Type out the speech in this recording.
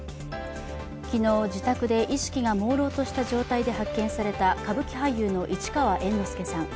昨日自宅で意識がもうろうとした状態で発見された歌舞伎俳優の市川猿之助さん。